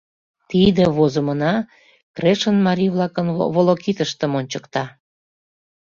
Тиде возымына Крешын марий-влакын волокитыштым ончыкта.